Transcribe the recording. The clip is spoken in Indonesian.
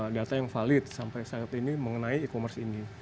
data yang valid sampai saat ini mengenai e commerce ini